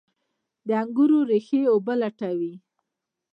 د انګورو ریښې اوبه لټوي.